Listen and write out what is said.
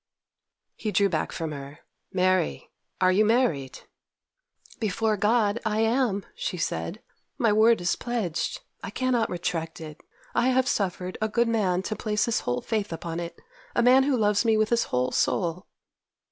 He drew back from her. 'Mary, are you married?' 'Before God I am!' she said. 'My word is pledged. I cannot retract it. I have suffered a good man to place his whole faith upon it—a man who loves me with his whole soul!